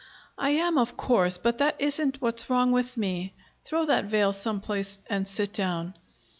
"I am, of course. But that isn't what's wrong with me. Throw that veil some place and sit down."